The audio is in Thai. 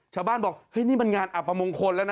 ชาวบ้านบอกเฮ้ยนี่มันงานอับประมงคลแล้วนะ